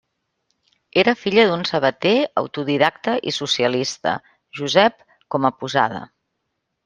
Era filla d'un sabater autodidacta i socialista, Josep Comaposada.